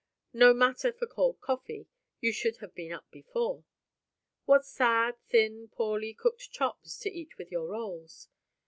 No matter for cold coffee; you should have been up before. What sad, thin, poorly cooked chops, to eat with your rolls!